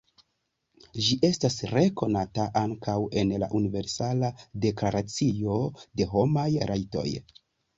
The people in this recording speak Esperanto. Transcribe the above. Ĝi estas rekonata ankaŭ en la Universala Deklaracio de Homaj Rajtoj.